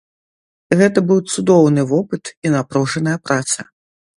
Гэта быў цудоўны вопыт і напружаная праца.